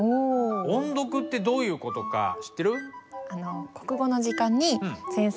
「音読」ってどういう事か知ってる？